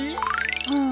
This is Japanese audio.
うん。